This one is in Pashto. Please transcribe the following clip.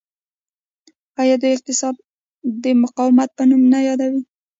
آیا دوی اقتصاد د مقاومت په نوم نه یادوي؟